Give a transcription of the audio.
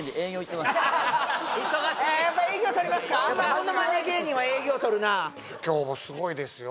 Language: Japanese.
ものまね芸人は営業をとるな今日もすごいですよ